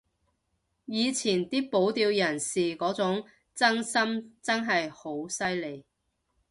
以前啲保釣人士嗰種真心真係好犀利